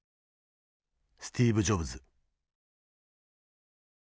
スティーブ・ジョブズ。